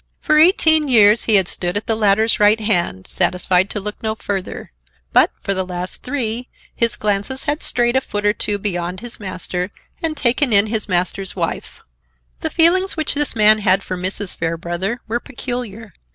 For eighteen years he had stood at the latter's right hand, satisfied to look no further, but, for the last three, his glances had strayed a foot or two beyond his master, and taken in his master's wife. The feelings which this man had for Mrs. Fairbrother were peculiar.